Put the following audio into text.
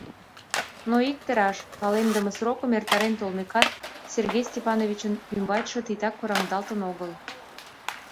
Но икте раш: палемдыме срокым эртарен толмекат, Сергей Степановичын ӱмбачше титак кораҥдалтын огыл.